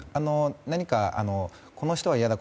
何かこの人は嫌だ